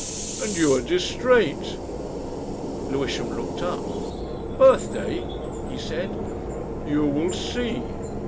And you are distrait!" Lewisham looked up. "Birthday?" he said. "You will see.